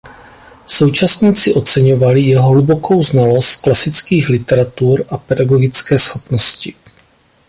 Současníci oceňovali jeho hlubokou znalost klasických literatur a pedagogické schopnosti.